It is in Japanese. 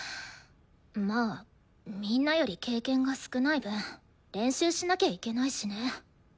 まあみんなより経験が少ない分練習しなきゃいけないしね。